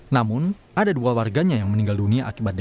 namun ada dua warganya yang meninggal dunia akibatnya